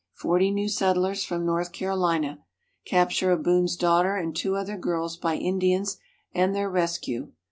Forty new settlers from North Carolina. Capture of Boone's daughter and two other girls by Indians and their rescue.